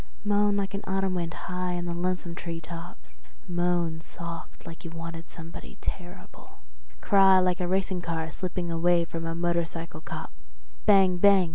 Moan like an autumn wind high in the lonesome tree tops, moan soft like you wanted somebody terrible, cry like a racing car slipping away from a motorcycle cop, bang bang!